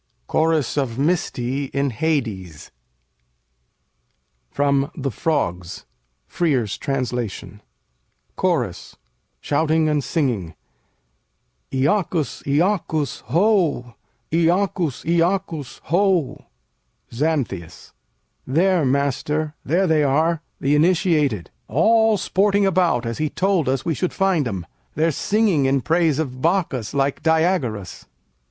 CHORUS OF MYSTÆ IN HADES From 'The Frogs': Frere's Translation CHORUS [shouting and singing'] Iacchus! Iacchus! Ho! Iacchus! Iacchus! Ho! Xanthias There, master, there they are, the initiated All sporting about as he told us we should find 'em. They're singing in praise of Bacchus like Diagoras.